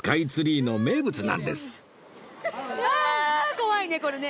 怖いねこれね。